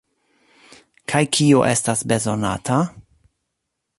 Kaj kio estas bezonata?